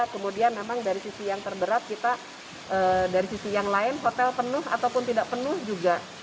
kemudian memang dari sisi yang terberat kita dari sisi yang lain hotel penuh ataupun tidak penuh juga